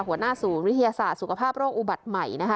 หัวหน้าศูนย์วิทยาศาสตร์สุขภาพโรคอุบัติใหม่นะคะ